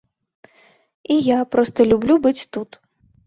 І я проста люблю быць тут.